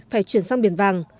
phải chuyển sang biển vàng